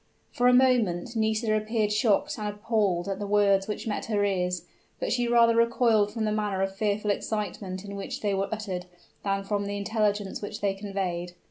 For a moment Nisida appeared shocked and appalled at the words which met her ears; but she rather recoiled from the manner of fearful excitement in which they were uttered, than from the intelligence which they conveyed.